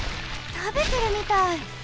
たべてるみたい！